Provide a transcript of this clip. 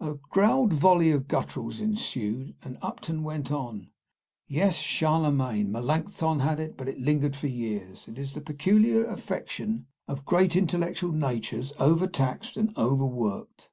A growled volley of gutturals ensued, and Upton went on: "Yes, Charlemagne, Melancthon had it, but lingered for years. It is the peculiar affection of great intellectual natures over taxed and over worked."